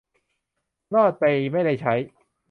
รอดไปไม่ได้ใช้